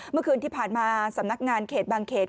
เมื่อคืนที่ผ่านมาสำนักงานเขตบางเขต